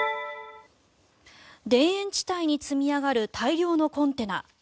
田園地帯に積み上がる大量のコンテナ。